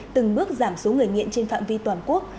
từng bước giảm số người nghiện trên phạm vi toàn quốc